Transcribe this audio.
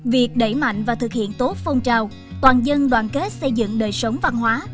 việc đẩy mạnh và thực hiện tốt phong trào toàn dân đoàn kết xây dựng đời sống văn hóa